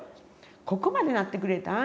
「ここまでなってくれたん」